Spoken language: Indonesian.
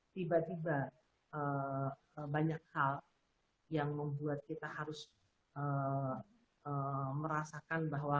tiba tiba banyak hal yang membuat kita harus merasakan bahwa